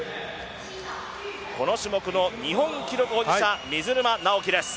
この種目の日本記録保持者水沼尚輝です。